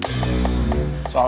kita balik lagi dari awal